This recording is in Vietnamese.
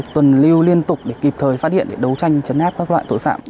tuần lưu liên tục để kịp thời phát hiện để đấu tranh chấn áp các loại tội phạm